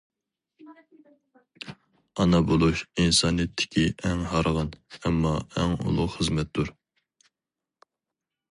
ئانا بولۇش ئىنسانىيەتتىكى ئەڭ ھارغىن، ئەمما ئەڭ ئۇلۇغ خىزمەتتۇر.